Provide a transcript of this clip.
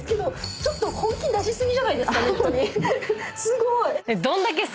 ちょっと本気出し過ぎじゃないですか？